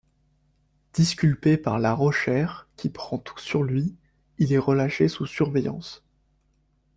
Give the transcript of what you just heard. Disculpé par La Rochère qui prend tout sur lui, il est relâché sous surveillance.